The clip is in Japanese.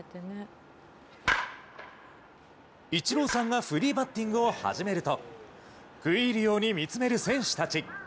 イチローさんがフリーバッティングを始めると、食い入るように見つめる選手たち。